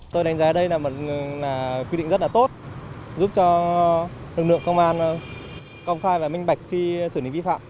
tôi đánh giá đây là một quy định rất là tốt giúp cho lực lượng công an công khai và minh bạch khi xử lý vi phạm